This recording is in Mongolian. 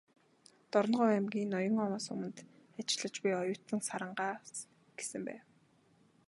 "Дорноговь аймгийн Ноён-Овоо суманд ажиллаж буй оюутан Сарангаа"с гэсэн байв.